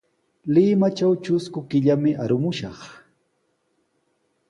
Limatraw trusku killami arumushaq.